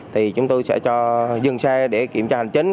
thì chúng tôi sẽ cho dừng xe để kiểm tra hành chính